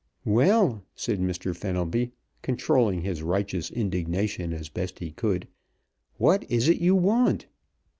"Well," said Mr. Fenelby, controlling his righteous indignation as best he could, "what is it you want?"